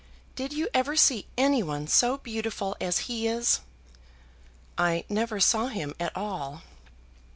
Did you ever see anyone so beautiful as he is?" "I never saw him at all."